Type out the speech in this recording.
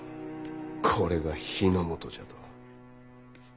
これが日ノ本じゃと。